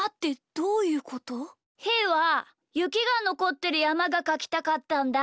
ひーはゆきがのこってるやまがかきたかったんだ。